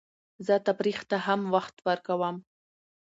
زه تفریح ته هم وخت ورکوم.